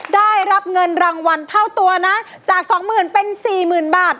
ได้รับเงินรางวัลเท่าตัวนะจากสองหมื่นเป็นสี่หมื่นบาท